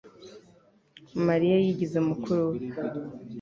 Mariya yigize mukuru we